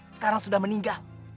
sekarang sudah meninggal